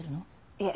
いえ。